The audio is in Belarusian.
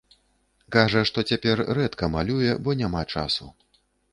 Кажа, што цяпер рэдка малюе, бо няма часу.